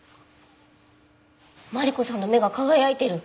マリコさんの目が輝いてる。